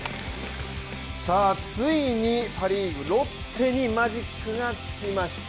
ついにパ・リーグロッテにマジックがつきました。